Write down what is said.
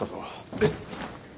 えっ。